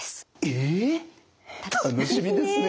え楽しみですね。